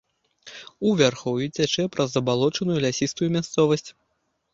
У вярхоўі цячэ праз забалочаную лясістую мясцовасць.